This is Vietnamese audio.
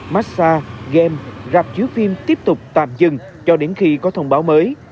massage game rạp chiếu phim tiếp tục tạm dừng cho đến khi có thông báo mới